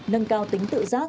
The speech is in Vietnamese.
nâng cao tính tự giác